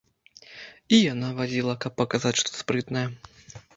І яна вазіла, каб паказаць, што спрытная.